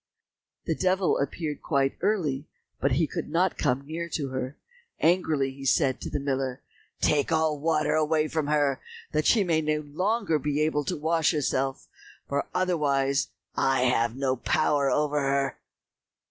The devil appeared quite early, but he could not come near to her. Angrily, he said to the miller, "Take all water away from her, that she may no longer be able to wash herself, for otherwise I have no power over her."